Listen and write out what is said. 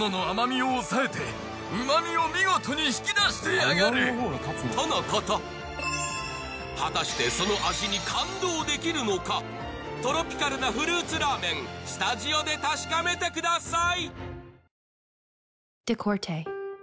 漫画によるととのこと果たしてその味に感動できるのかトロピカルなフルーツラーメンスタジオで確かめてください！